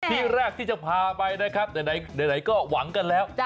ที่แรกที่จะพาไปนะครับไหนก็หวังกันแล้ว